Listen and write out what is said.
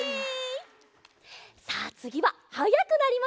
さあつぎははやくなりますよ！